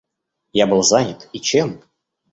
Я был занят, и чем?